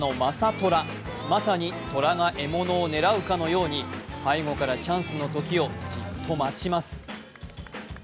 虎、まさに虎が獲物を狙うかのように背後からチャンスの時をじっと待ちます。